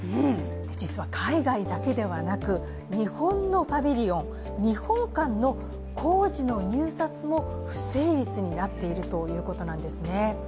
実は海外だけではなく日本のパビリオン日本館の工事の入札も不成立になっているということなんですね。